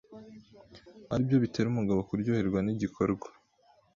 ari byo bitera umugabo kuryoherwa n’igikorwa